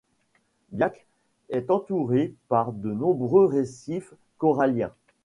Biak est entourée par de nombreux récifs coralliens.